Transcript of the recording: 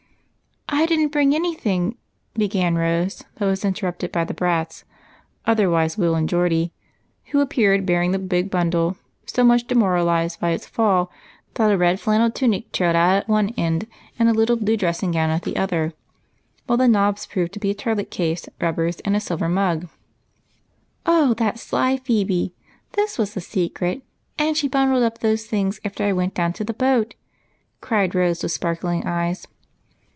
"I didn't bring any thing —" began Rose, but was interrupted by the Brats (otherwise Will and Geordie) , who appeared bearing the big bundle, so much demoralised by its fall that a red flannel tunic trailed out at one end and a little blue dressing gown at the other, Avlhile the knobs proved to be a toilet case, rubbers, and a sV^lver mug. " Oh, that sly Phebe ! This was the secret, and she bundled up tlxose things after I w^ent down to the boat," cried ^ose, with sparkling eyes.